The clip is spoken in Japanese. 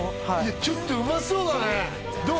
ちょっとうまそうだねどう？